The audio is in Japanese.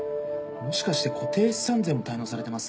もしかして固定資産税も滞納されてます？